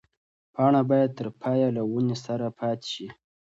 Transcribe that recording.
پاڼه باید تر پایه له ونې سره پاتې شي.